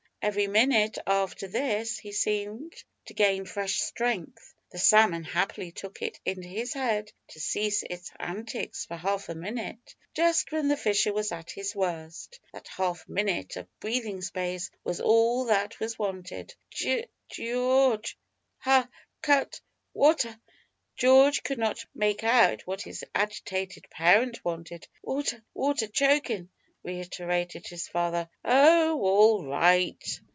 Every minute after this he seemed to gain fresh strength. The salmon happily took it into his head to cease its antics for half a minute, just when the fisher was at his worst. That half minute of breathing space was all that was wanted. "Geo'ge hah! cut wata!" George could not make out what his agitated parent wanted. "Water! water! chokin'!" reiterated his father. "Oh, all right!"